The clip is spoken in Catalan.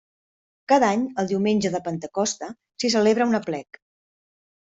Cada any, el diumenge de Pentecosta, s'hi celebra un aplec.